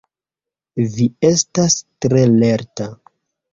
Vi estas tre lerta!